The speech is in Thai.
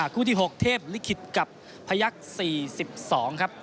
คู่ที่หกเทพลิขิตกับพยักษ์สี่สิบสองครับ